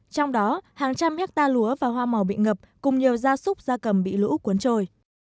trong đó hàng trăm hectare lúa và hoa màu bị ngập cùng nhiều gia súc gia cầm bị lũ cuốn trôi